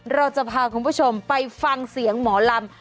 เราจะพาคุณผู้ชมไปฟังเสียงหมอลำ